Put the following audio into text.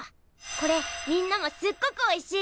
これみんなもすっごくおいしいって。